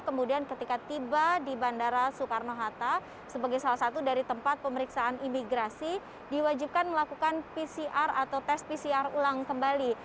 kemudian ketika tiba di bandara soekarno hatta sebagai salah satu dari tempat pemeriksaan imigrasi diwajibkan melakukan pcr atau tes pcr ulang kembali